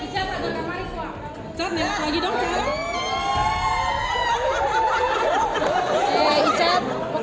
dawritten dipping dan makanan menolong frances dengan penyidangnya keras tersebut di dunia biblioteke dan pamwiri manusia keras